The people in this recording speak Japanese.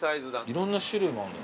いろんな種類もある。